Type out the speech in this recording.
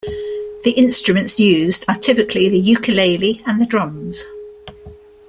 The instruments used are typically the ukulele and the drums.